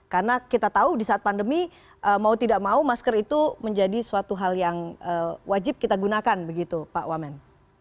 karena kita tahu di saat pandemi mau tidak mau masker itu menjadi suatu hal yang wajib kita gunakan begitu pak wamen